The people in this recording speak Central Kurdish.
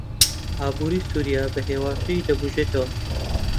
ئابووری سووریا بەهێواشی دەبوژێتەوە.